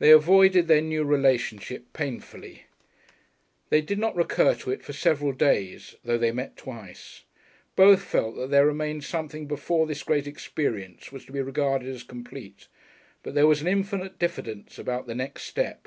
They avoided their new relationship painfully. They did not recur to it for several days, though they met twice. Both felt that there remained something before this great experience was complete, but there was an infinite diffidence about the next step.